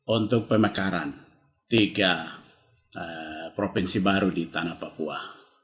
untuk pemekaran tiga provinsi baru di tanah papua